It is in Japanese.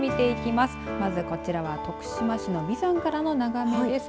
まずこちらは徳島市の、みざんからの眺めです。